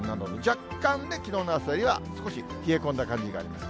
若干、きのうの朝よりは、少し冷え込んだ感じがあります。